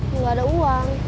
gak ada uang